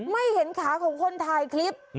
ไม่เห็นขาของคนถ่ายคลิป